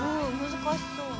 難しそうな。